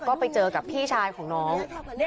ก็ไปเจอกับพี่ชายของน้อง